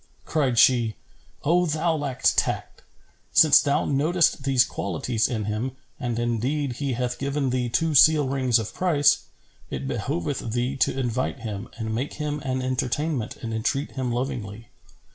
Cried she, "O thou lack tact,[FN#409] since thou notest these qualities in him, and indeed he hath given thee two seal rings of price, it behoveth thee to invite him and make him an entertainment and entreat him lovingly.